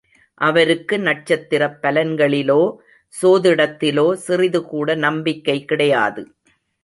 அவருக்கு நட்சத்திரப் பலன்களிலோ சோதிடத்திலோ சிறிதுகூட நம்பிக்கை கிடையாது.